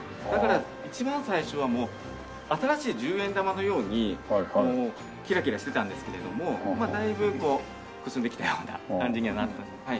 だから一番最初はもう新しい１０円玉のようにキラキラしてたんですけれどもだいぶこうくすんできたような感じにはなってます。